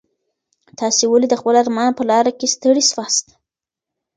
تاسي ولي د خپل ارمان په لاره کي ستړي سواست؟